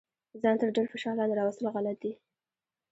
ځان تر ډیر فشار لاندې راوستل غلط دي.